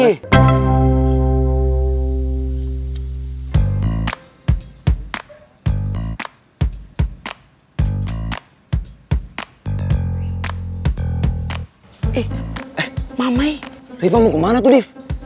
eh mamai rifa mau kemana tuh dip